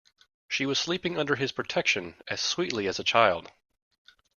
She was sleeping under his protection as sweetly as a child.